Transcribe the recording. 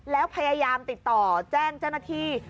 แล้วพยายามติดต่อแจ้งเจ้าหน้าที่